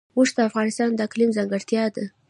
اوښ د افغانستان د اقلیم ځانګړتیا ده.